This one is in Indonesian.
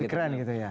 lebih keren gitu ya